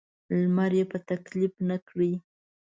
لمر یې په تکلیف نه کړي.